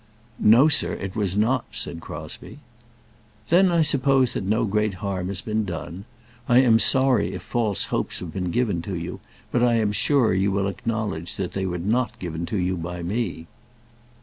"No, sir; it was not," said Crosbie. "Then I suppose that no great harm has been done. I am sorry if false hopes have been given to you; but I am sure you will acknowledge that they were not given to you by me."